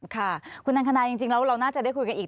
ค่ะคุณอังคณาจริงแล้วเราน่าจะได้คุยกันอีก